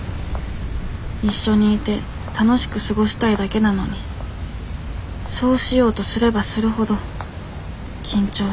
一緒にいて楽しく過ごしたいだけなのにそうしようとすればするほど緊張した。